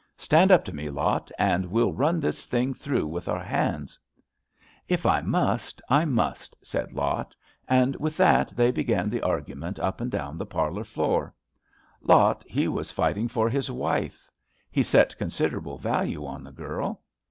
Stand up to me. Lot, and we'll run THE SHADOW OF HIS HAND 41 this thing through with our hands/ * If I must^ I must/ said Lot, and with that they began the argument up and down the parlour floor. Lot he was fighting for his wife. He set considerable value on the girl.